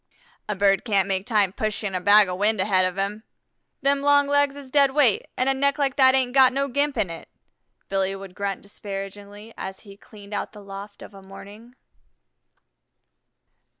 "A bird can't make time pushing a bag of wind ahead of him. Them long legs is dead weight, an' a neck like that ain't got no gimp in it," Billy would grunt disparagingly as he cleaned out the loft of a morning.